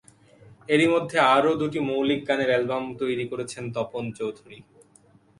এরই মধ্যে আরও দুটি মৌলিক গানের অ্যালবাম তৈরি করছেন তপন চৌধুরী।